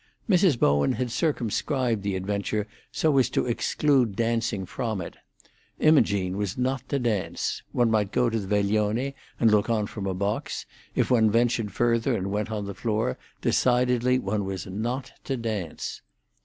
Mrs. Bowen had circumscribed the adventure so as to exclude dancing from it. Imogene was not to dance. One might go to the veglione and look on from a box; if one ventured further and went on the floor, decidedly one was not to dance.